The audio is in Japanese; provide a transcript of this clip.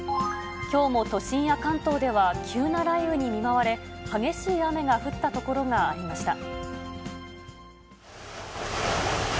きょうも都心や関東では急な雷雨に見舞われ、激しい雨が降った所がありました。